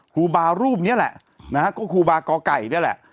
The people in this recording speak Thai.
ครูบารูปนี้แหละนะฮะก็ครูบากอไก่นี่แหละ